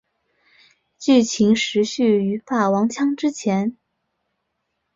剧情时序于霸王枪之前。